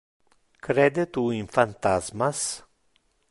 Crede tu in phantasmas?